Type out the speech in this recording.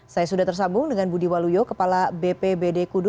saya sudah tersambung dengan budi waluyo kepala bpbd kudus